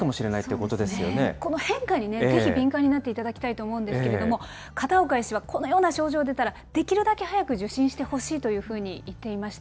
この変化にぜひ敏感になっていただきたいと思うんですけれども、片岡医師は、このような症状が出たらできるだけ早く受診してほしいというふうに言っていました。